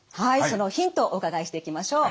そのヒントをお伺いしていきましょう。